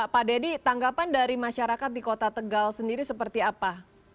pak dedy tanggapan dari masyarakat di kota tegal sendiri seperti apa